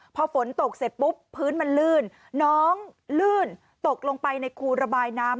พอฝนตกเสร็จปุ๊บพื้นมันลื่นน้องลื่นตกลงไปในคูระบายน้ำ